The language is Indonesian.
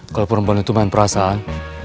kalau perempuan itu main perasaan